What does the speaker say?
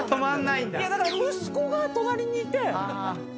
だから息子が隣にいて。